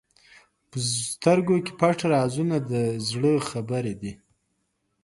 په سترګو کې پټ رازونه د زړه خبرې دي.